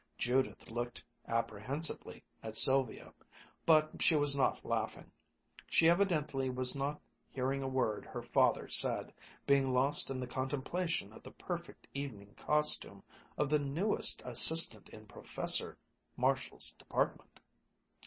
Judith looked apprehensively at Sylvia; but she was not laughing. She evidently was not hearing a word her father said, being lost in the contemplation of the perfect evening costume of the newest assistant in Professor Marshall's department.